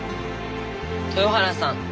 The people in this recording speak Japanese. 豊原さん